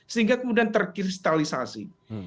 sehingga kemudian terkristalisasi